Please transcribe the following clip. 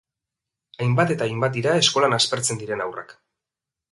Hainbat eta hainbat dira eskolan aspertzen diren haurrak.